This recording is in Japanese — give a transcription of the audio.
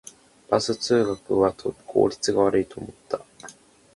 バス通学は効率が悪いと思った